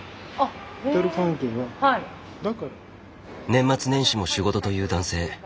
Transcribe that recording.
年末年始も仕事という男性。